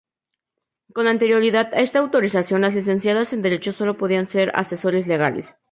Con anterioridad a esta autorización, las licenciadas en derecho solo podían ser asesores legales.